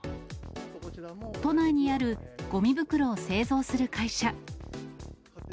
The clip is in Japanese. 都内にあるごみ袋を製造する会社。